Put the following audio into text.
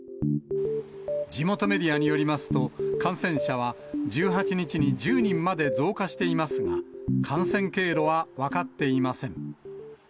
地元メディアによりますと、感染者は１８日に１０人まで増加していますが、感染経路は分かっていません。